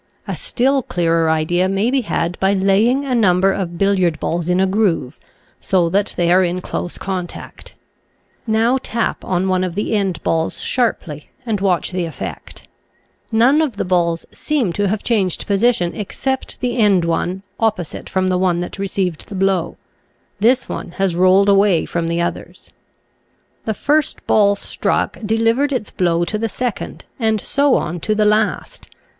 A still clearer idea may be had by laying a number of bil liard balls in a groove, so that they are in close contact. Now tap on one of the end balls sharply and watch the effect. None Original from UNIVERSITY OF WISCONSIN 60 nature's /fcfracles. of the balls seem to have changed position except the end one, opposite from the one that received the blow. This one has rolled away from the others. The first ball struck deliv ered its blow to the second, and so on to the last.